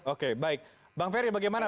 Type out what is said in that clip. oke baik bang ferry bagaimana